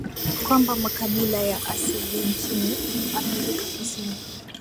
kwamba makabila ya asili nchini Amerika Kusini